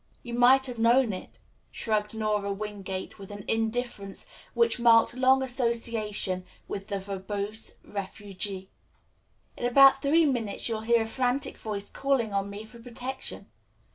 "You might have known it," shrugged Nora Wingate with an indifference which marked long association with the verbose refugee. "In about three minutes you'll hear a frantic voice calling on me for protection.